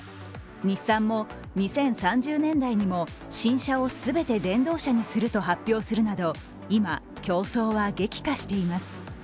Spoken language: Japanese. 日産も２０３０年代にも新車を全て電動車にすると発表するなど今、競争は激化しています。